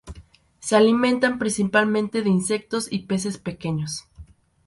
Se alimentan principalmente de insectos y peces pequeños.